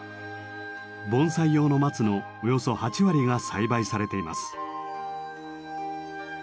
盆栽用の松のおよそ８割が栽培されています。